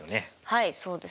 はいそうですね。